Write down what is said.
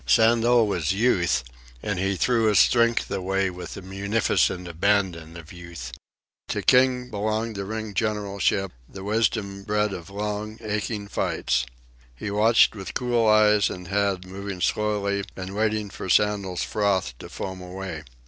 Sandel was Youth, and he threw his strength away with the munificent abandon of Youth. To King belonged the ring generalship, the wisdom bred of long, aching fights. He watched with cool eyes and head, moving slowly and waiting for Sandel's froth to foam away.